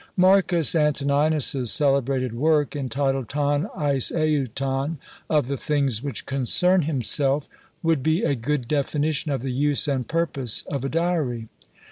Marcus Antoninus's celebrated work entitled ÎĊÏÎẄ ÎṁÎṗÏ ÎṁÎḟÏ ÏÎṡÎẄ, Of the things which concern himself, would be a good definition of the use and purpose of a diary.